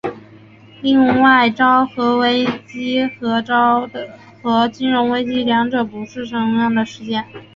另外昭和危机跟昭和金融危机两者是不同的事件。